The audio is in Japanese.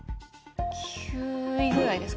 ９位ぐらいですかね。